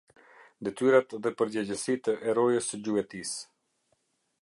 Detyrat dhe përgjegjësitë e rojës së gjuetisë.